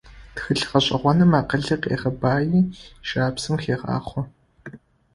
Тхылъ гъэшӏэгъоным акъылыр къегъэбаи, жабзэм хегъахъо.